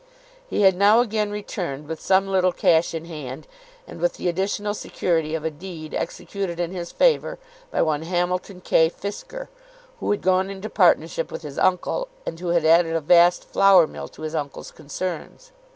He had now again returned, with some little cash in hand, and with the additional security of a deed executed in his favour by one Hamilton K. Fisker, who had gone into partnership with his uncle, and who had added a vast flour mill to his uncle's concerns.